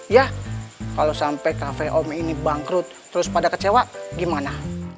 ya kalau sampai cafe om ini bangkrut terus pada kecewa gimana